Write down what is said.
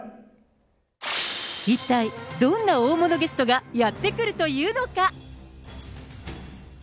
一体、どんな大物ゲストがやって来るというのか。